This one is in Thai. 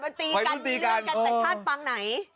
ในช่วงให้ได้